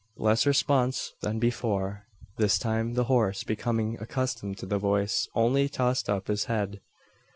Less response than before. This time the horse, becoming accustomed to the voice, only tossed up his head.